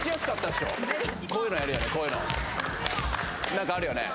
何かあるよね？